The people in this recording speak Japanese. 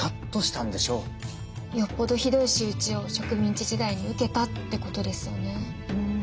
よっぽどひどい仕打ちを植民地時代に受けたってことですよね。